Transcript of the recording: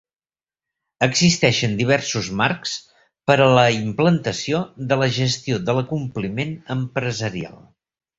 Existeixen diversos marcs per a la implantació de la gestió de l'acompliment empresarial.